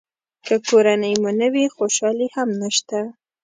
که کورنۍ مو نه وي خوشالي هم نشته.